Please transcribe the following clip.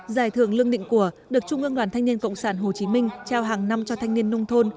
giải thưởng lương định của được trung ương đoàn thanh niên cộng sản hồ chí minh trao hàng năm cho thanh niên nông thôn